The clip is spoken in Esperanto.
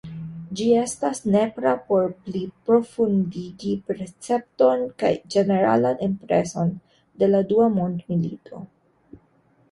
Ĝi estas nepra por pli profundigi percepton kaj ĝeneralan impreson de la dua mondmilito.